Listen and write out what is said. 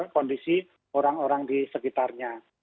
kondisi orang orang di sekitarnya